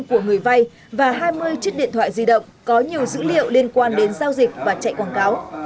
của người vay và hai mươi chiếc điện thoại di động có nhiều dữ liệu liên quan đến giao dịch và chạy quảng cáo